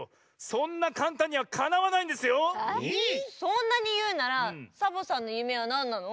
そんなにいうならサボさんの夢はなんなの？